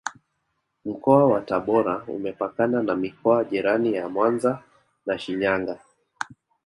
Mkoa wa tabora Umepakana na mikoa jirani ya Mwanza na Shinyanga